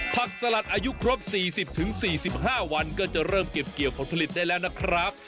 สลัดอายุครบ๔๐๔๕วันก็จะเริ่มเก็บเกี่ยวผลผลิตได้แล้วนะครับ